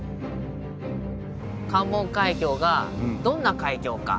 関門海峡がどんな海峡か。